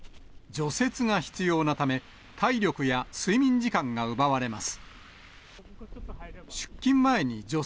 除雪が必要なため、体力や睡眠時間が奪われます。